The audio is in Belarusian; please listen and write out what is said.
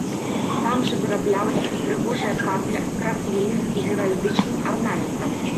Там жа выраблялася і прыгожая кафля з раслінным і геральдычным арнаментам.